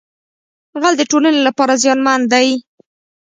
غل د ټولنې لپاره زیانمن دی